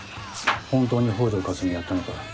本当に北條かすみをやったのか？